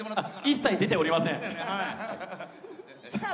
一切、出ておりません。